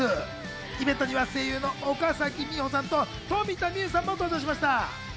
イベントには声優の岡咲美保さんと富田美憂さんも登場しました。